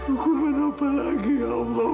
aku menebar lagi ya allah